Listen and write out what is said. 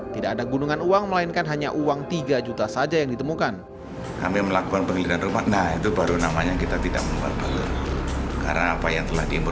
tidak ada gunungan uang melainkan hanya uang tiga juta saja yang ditemukan